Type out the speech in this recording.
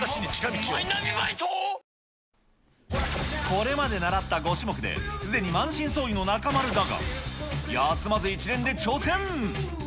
これまで習った５種目で、すでに満身創痍の中丸だが、休まず一連で挑戦。